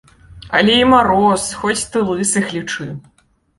Але і мароз, хоць ты лысых лічы!